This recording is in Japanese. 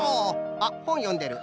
あっほんよんでる。